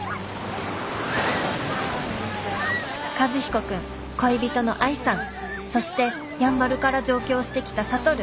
和彦君恋人の愛さんそしてやんばるから上京してきた智。